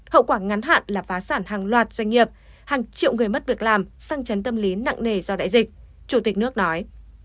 hậu quả ngắn hạn là phá sản hàng loạt doanh nghiệp hàng triệu người mất việc làm xăng chấn tâm lý nặng nề do đại dịch chủ tịch nước nói